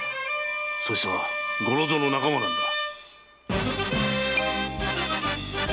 そいつは五六蔵の仲間なのだ。